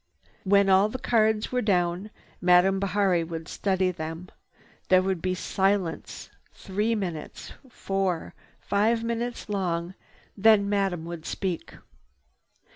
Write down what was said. When all the cards were down, Madame Bihari would study them. There would be a silence, three minutes, four, five minutes long, then Madame would speak.